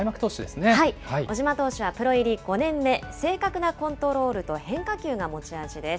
小島投手はプロ入り５年目、正確なコントロールと変化球が持ち味です。